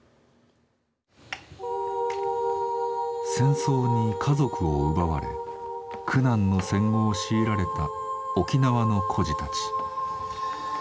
戦争に家族を奪われ苦難の戦後を強いられた沖縄の孤児たち。